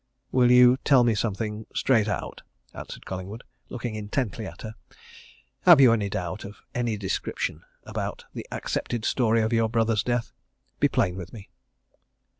"Will you tell me something straight out?" answered Collingwood, looking intently at her. "Have you any doubt of any description about the accepted story of your brother's death? Be plain with me!"